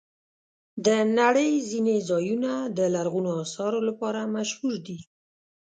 د نړۍ ځینې ځایونه د لرغونو آثارو لپاره مشهور دي.